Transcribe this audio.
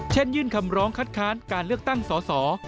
ยื่นคำร้องคัดค้านการเลือกตั้งสอสอ